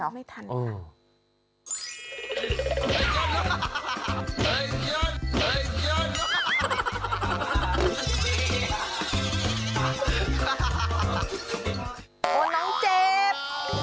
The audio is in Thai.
โอ้น้องเจ็บ